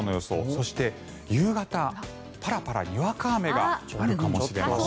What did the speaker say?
そして夕方、パラパラにわか雨があるかもしれません。